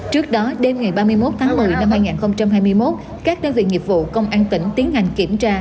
trước đó đêm ngày ba mươi một tháng một mươi năm hai nghìn hai mươi một các đơn vị nghiệp vụ công an tỉnh tiến hành kiểm tra